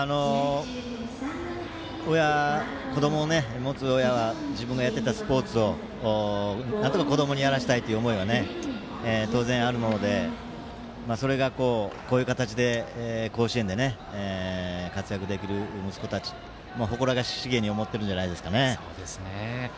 子どもを持つ親は自分がやっていたスポーツをなんとか子どもにやらせたいという思いは当然あるのでそれが、こういう形で甲子園で活躍できる息子たち誇らしげに思っているんじゃないでしょうかね。